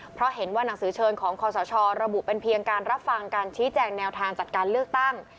เพราะเห็นว่าหนังสือเชิญของคอสชระบุเป็นเพียงการรับฟังการชี้แจงแนวทางจัดการเลือกตั้ง